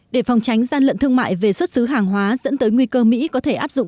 để phòng tránh gian lận thương mại về xuất xứ hàng hóa dẫn tới nguy cơ mỹ có thể áp dụng